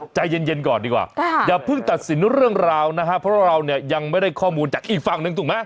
ใจเย็นก่อนดีกว่าอย่าเพิ่งตัดสินเรื่องราวนะฮะเพราะเราเนี่ยยังไม่ได้ข้อมูลจากอีกฝั่งหนึ่งถูกไหม